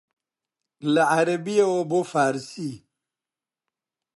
لە عەرەبییەوە بۆ فارسی